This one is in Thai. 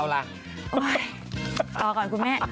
รอก่อนคุณแม่